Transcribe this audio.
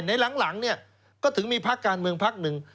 หลังเนี่ยก็ถึงมีพักการเมืองพักหนึ่ง